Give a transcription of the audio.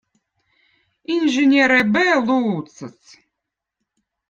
inženerõ eb õõ Luuttsõz